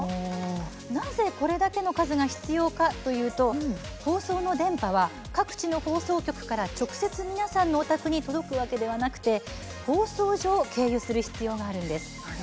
なぜこれだけの数が必要かというと放送の電波は各地の放送局から直接皆さんのお宅に届くわけではなく、放送所を経由する必要があります。